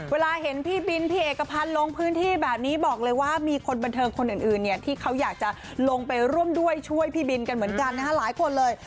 เวลาเห็นพี่บินพี่เอกพันธ์ลงพื้นที่แบบนี้บอกเลยว่ามีคนบันเทิงคนอื่นเนี่ยที่เขาอยากจะลงไปร่วมด้วยช่วยพี่บินกันเหมือนกันนะฮะหลายคนเลย